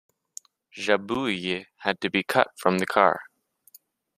Jabouille had to be cut from the car.